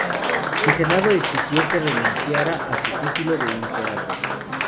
El Senado le exigió que renunciara a su título de "imperator".